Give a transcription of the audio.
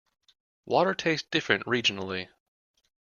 Water tastes different regionally.